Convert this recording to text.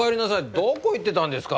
どこ行ってたんですか？